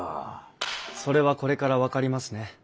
それはこれから分かりますね。